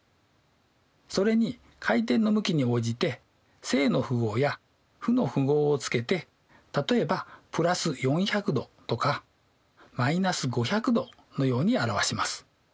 それに回転の向きに応じて正の符号や負の符号をつけて例えば＋４００°とか−５００°のように表します。